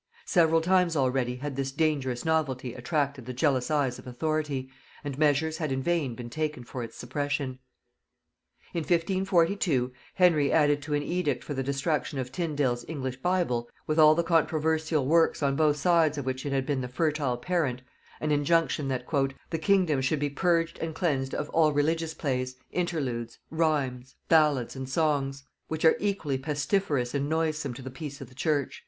Several times already had this dangerous novelty attracted the jealous eyes of authority, and measures had in vain been taken for its suppression. In 1542 Henry added to an edict for the destruction of Tyndale's English bible, with all the controversial works on both sides of which it had been the fertile parent, an injunction that "the kingdom should be purged and cleansed of all religious plays, interludes, rhymes, ballads, and songs, which are equally pestiferous and noisome to the peace of the church."